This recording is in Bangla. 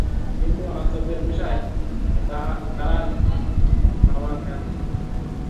কিন্তু আশ্চর্যের বিষয় তারার আমার ফ্যান!